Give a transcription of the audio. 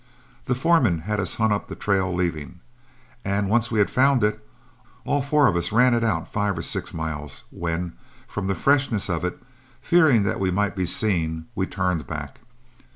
The foreman had us hunt up the trail leaving, and once we had found it, all four of us ran it out five or six miles, when, from the freshness of it, fearing that we might be seen, we turned back.